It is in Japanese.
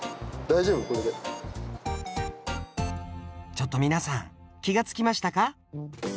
ちょっと皆さん気がつきましたか？